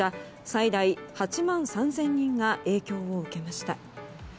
最大８万３０００人が影響を受けました。